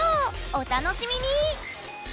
お楽しみに！